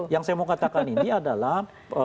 yang saya mau katakan ini adalah